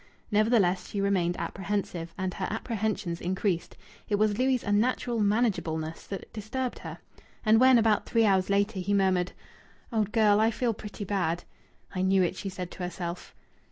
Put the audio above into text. Nevertheless, she remained apprehensive, and her apprehensions increased. It was Louis' unnatural manageableness that disturbed her. And when, about three hours later, he murmured, "Old girl, I feel pretty bad." "I knew it," she said to herself.